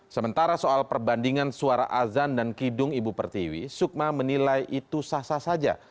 sementara soal perbandingan suara azan dan kidung ibu pertiwi sukma menilai itu sah sah saja